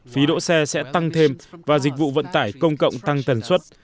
phí đỗ xe sẽ tăng thêm và dịch vụ vận tải công cộng tăng tần suất